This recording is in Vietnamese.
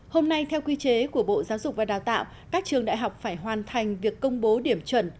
hôm nay theo quy chế của bộ giáo dục và đào tạo các trường đại học phải hoàn thành việc công bố điểm chuẩn